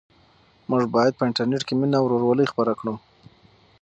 موږ باید په انټرنيټ کې مینه او ورورولي خپره کړو.